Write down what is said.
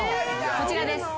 こちらです。